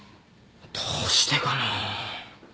どうしてかな。